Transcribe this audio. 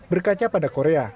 berkaca pada korea